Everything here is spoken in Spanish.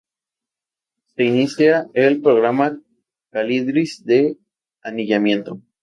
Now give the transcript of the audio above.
Se inicia el Programa Calidris de anillamiento.